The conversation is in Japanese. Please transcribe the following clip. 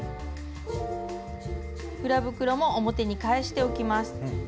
裏袋も表に返しておきます。